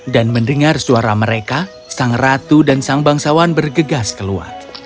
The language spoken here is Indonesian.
dan mendengar suara mereka sang ratu dan sang bangsawan bergegas keluar